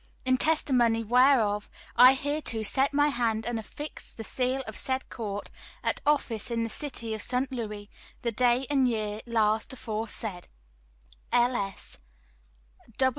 "In testimony whereof I hereto set my hand and affix the seal of said court, at office in the City of St. Louis, the day and year last aforesaid. [L.